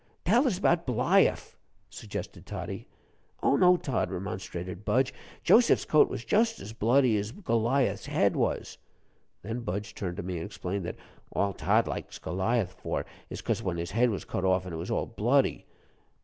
"Tell us 'bout Bliaff," suggested Toddie. "Oh, no, Tod," remonstrated Budge; "Joseph's coat was just as bloody as Goliath's head was." Then Budge turned to me and explained that "all Tod likes Goliath for is 'cause when his head was cut off it was all bloody."